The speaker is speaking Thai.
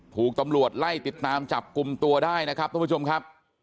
ถูกตำรวจไล่ติดตามจับกลุ่มตัวได้นะครับทุกผู้ชมครับ